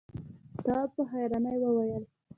تواب په حيرانۍ وويل: